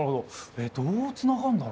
えっどうつながんだろ？